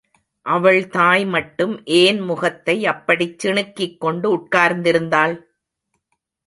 அவள் தாய்மட்டும் ஏன் முகத்தை அப்படிச் சிணுக்கிக்கொண்டு உட்கார்ந்திருந்தாள்?